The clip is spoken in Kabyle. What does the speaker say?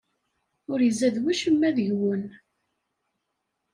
Ur izad wacemma deg-wen.